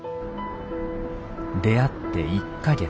出会って１か月。